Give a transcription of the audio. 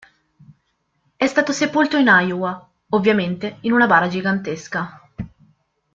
È stato sepolto in Iowa, ovviamente in una bara gigantesca.